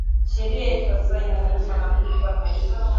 Sheria yetu kwa sasa inaruusu mwanamuke kuwa na kitu